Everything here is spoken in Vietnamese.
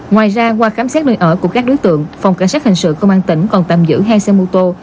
ngoài ra qua khám xét nơi ở của các đối tượng phòng cảnh sát hình sự công an tỉnh còn tạm giữ hai xe mô tô